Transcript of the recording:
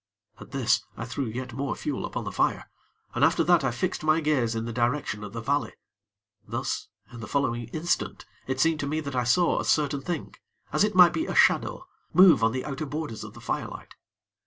At this, I threw yet more fuel upon the fire, and after that I fixed my gaze in the direction of the valley: thus in the following instant it seemed to me that I saw a certain thing, as it might be a shadow, move on the outer borders of the firelight.